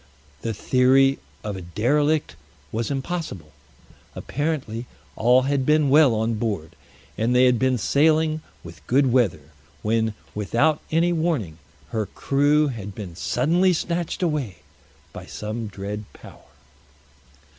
The theory of a derelict was impossible. Apparently all had been well on board, and they had been sailing with good weather, when, without any warning, her crew had been suddenly snatched away by some dread power.